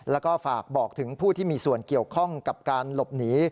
แล้วก็ฝากบอกถึงผู้ที่มีส่วนเกี่ยวข้องกับการหลบหนี